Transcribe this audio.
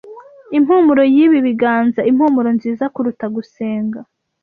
Impumuro yibi biganza-impumuro nziza kuruta gusenga,